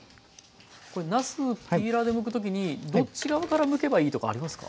これなすピーラーでむく時にどっち側からむけばいいとかありますか？